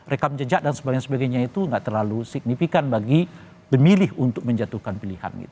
rekam jejak dan sebagainya sebagainya itu nggak terlalu signifikan bagi pemilih untuk menjatuhkan pilihan